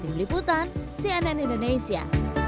tim liputan cnn indonesia